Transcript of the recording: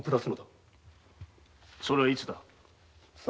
それはいつだ？